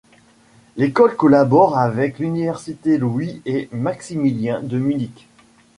L'école collabore avec l'Université Louis-et-Maximilien de Munich.